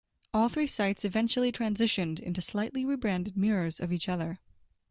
All three sites eventually transitioned into slightly rebranded mirrors of each other.